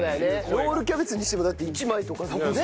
ロールキャベツにしてもだって１枚とかだもんね